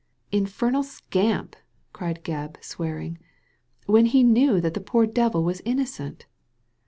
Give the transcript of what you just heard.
"Infernal scampi" cried Gebb, swearing, "when he knew that the poor devil was innocent.